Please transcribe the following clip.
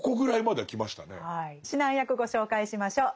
指南役ご紹介しましょう。